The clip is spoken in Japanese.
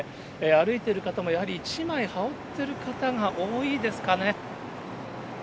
歩いている方も、やはり一枚羽織っている方が多いですかね。